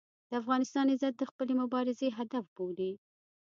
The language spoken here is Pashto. د افغانستان عزت د خپلې مبارزې هدف بولي.